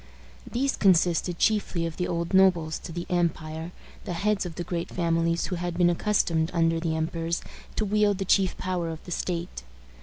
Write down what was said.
These consisted chiefly of the old nobles of the empire, the heads of the great families who had been accustomed, under the emperors, to wield the chief power of the state.